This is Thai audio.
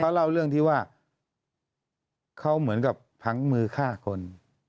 เล่าเรื่องที่ว่าเขาเหมือนกับผังมือฆ่าคน